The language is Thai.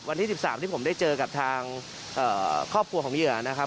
วันที่๑๓ที่ผมได้เจอกับทางครอบครัวของเหยื่อนะครับ